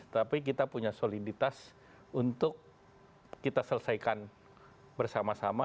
tapi kita punya soliditas untuk kita selesaikan bersama sama